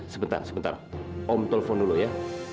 sebentar sebentar om telpon dulu ya